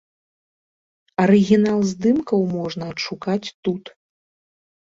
Арыгінал здымкаў можна адшукаць тут.